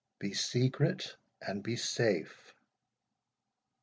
Be secret and be safe."